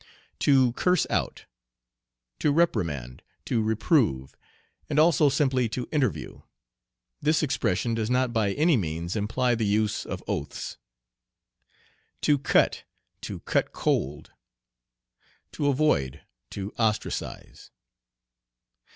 "To curse out." To reprimand, to reprove, and also simply to interview. This expression does not by any means imply the use of oaths. "To cut," "To cut cold." To avoid, to ostracize.